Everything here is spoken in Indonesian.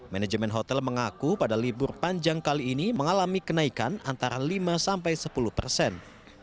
manajemen hotel mengaku pada libur panjang kali ini mengalami kenaikan antara lima sampai sepuluh persen